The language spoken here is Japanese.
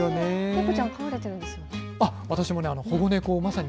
猫ちゃん、飼われてるんですよね。